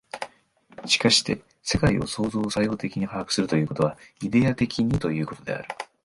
しかして世界を創造作用的に把握するということは、イデヤ的にということである。